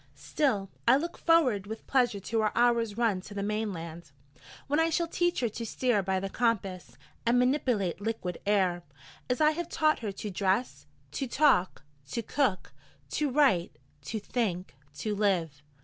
Still, I look forward with pleasure to our hour's run to the Mainland, when I shall teach her to steer by the compass, and manipulate liquid air, as I have taught her to dress, to talk, to cook, to write, to think, to live.